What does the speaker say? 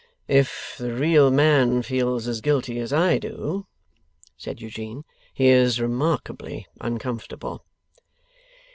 'If the real man feels as guilty as I do,' said Eugene, 'he is remarkably uncomfortable.